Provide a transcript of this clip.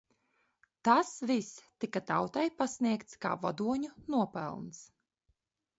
Tas viss tika tautai pasniegts kā vadoņu nopelns.